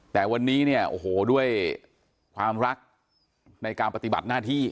แต่วันนี้ด้วยความรักในการปฏิบัติหน้าที่